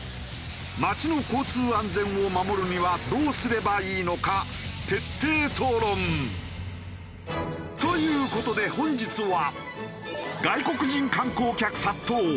街の交通安全を守るにはどうすればいいのか徹底討論。という事で本日は。